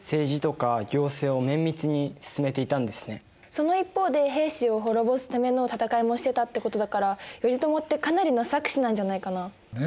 その一方で平氏を滅ぼすための戦いもしてたってことだから頼朝ってかなりの策士なんじゃないかな？ね。